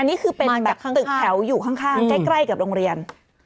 อันนี้คือเป็นแบบตึกแถวอยู่ข้างใกล้กับโรงเรียน